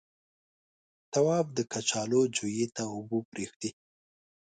تواب د کچالو جويې ته اوبه پرېښودې.